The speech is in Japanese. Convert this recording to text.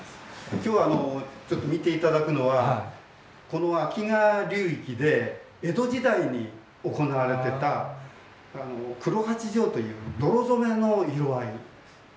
今日見て頂くのはこの秋川流域で江戸時代に行われてた黒八丈という泥染めの色合いです。